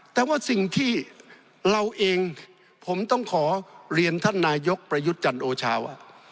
แต่ว่าสิ่งที่เราเองผมต้องขอเรียนท่านนายกประยุทธ์จันทร์โอชาว่า